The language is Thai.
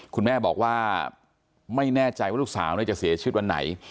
คุณแม่บอกว่าไม่แน่ใจว่าลูกสาวจะเสียชีวิตวันไหน